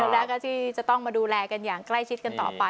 แล้วก็ที่จะต้องมาดูแลกันอย่างใกล้ชิดกันต่อไป